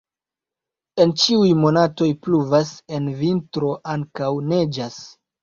En ĉiuj monatoj pluvas, en vintro ankaŭ neĝas.